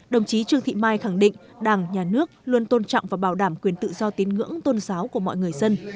đồng chí trương thị mai khẳng định đảng nhà nước luôn tôn trọng và bảo đảm quyền tự do tín ngưỡng tôn giáo của mọi người dân